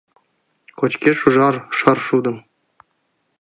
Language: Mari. Кочкеш ужар шаршудым.